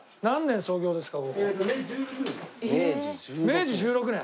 明治１６年。